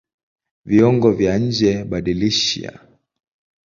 Viungo vya njeBadilisha